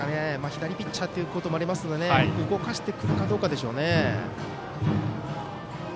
左ピッチャーっていうこともありますので動かしてくるかどうかでしょうね。